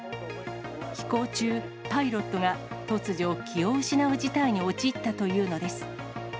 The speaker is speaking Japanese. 飛行中、パイロットが突如、気を失う事態に陥ったというのです。